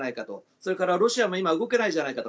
それからロシアも今、動けないじゃないかと。